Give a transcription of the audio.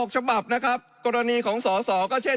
ฉบับนะครับกรณีของสอสอก็เช่น